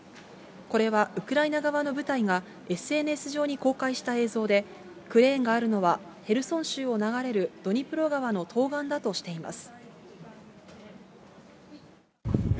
これはウクライナ側の部隊がＳＮＳ上に公開した映像で、クレーンがあるのはヘルソン州を流れるドニプロ川の東岸だとしています。